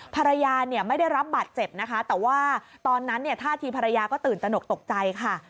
ภรรยาเนี่ยไม่ได้รับบาดเจ็บนะคะแต่ว่าตอนนั้นเนี่ยท่าทีภรรยาก็ตื่นตนกตกใจค่ะ